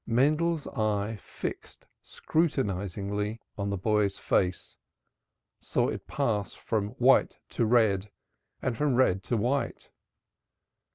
Mendel's eye, fixed scrutinizingly on his boy's face, saw it pass from white to red and from red to white.